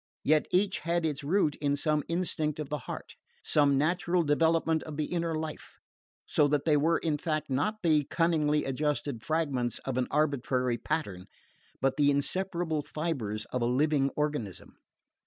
Yet each had its root in some instinct of the heart, some natural development of the inner life, so that they were in fact not the cunningly adjusted fragments of an arbitrary pattern but the inseparable fibres of a living organism.